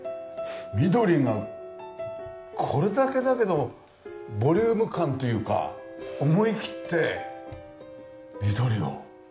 緑がこれだけだけどもボリューム感というか思いきって緑を。